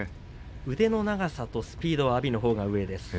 腕の長さとスピードは阿炎のほうが上です。